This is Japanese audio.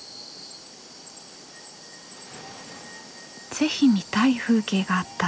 是非見たい風景があった。